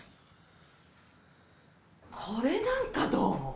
これなんかどう？